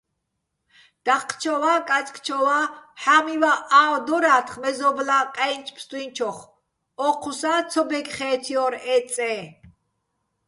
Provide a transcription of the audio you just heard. დაჴჴჩოვა́ კაწკჩოვა́, ჰ̦ა́მივაჸ ა́ვ დორა́თხ მეზობლა́ ჸაჲნჩო̆ ბსტუჲნჩოხ, ო́ჴუსა́ ცო ბეკხე́თჲორ ე წე.